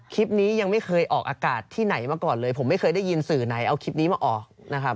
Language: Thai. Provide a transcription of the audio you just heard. คลิปนี้ยังไม่เคยออกอากาศที่ไหนมาก่อนเลยผมไม่เคยได้ยินสื่อไหนเอาคลิปนี้มาออกนะครับ